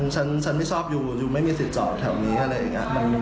ฉันไม่ชอบยูยูไม่มีสิทธิ์จอดแถวนี้อะไรอย่างนี้